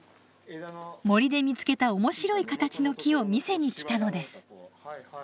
森で見つけた面白い形の木を見せに来たのです。